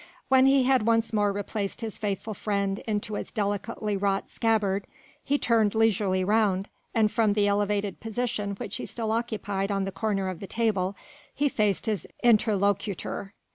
When he had once more replaced his faithful friend into its delicately wrought scabbard he turned leisurely round and from the elevated position which he still occupied on the corner of the table he faced his interlocutor.